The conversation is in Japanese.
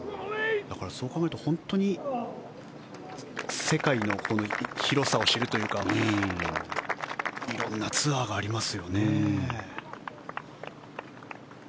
だから、そう考えると本当に世界の広さを知るというか色んなツアーがありますよね。